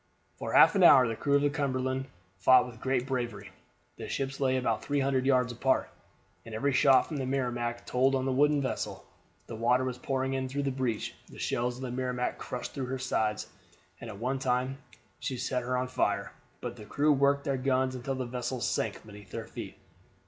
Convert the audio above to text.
For half an hour the crew of the Cumberland fought with great bravery. The ships lay about three hundred yards apart, and every shot from the Merrimac told on the wooden vessel. The water was pouring in through the breach. The shells of the Merrimac crushed through her side, and at one time set her on fire; but the crew worked their guns until the vessel sank beneath their feet.